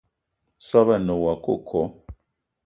Soobo a ne woua coco